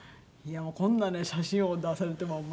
いやこんなね写真を出されても。